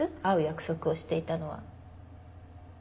会う約束をしていたのは。